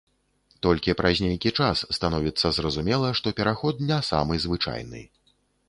Толькі праз нейкі час становіцца зразумела, што пераход не самы звычайны.